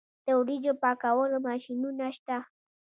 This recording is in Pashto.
د وریجو پاکولو ماشینونه شته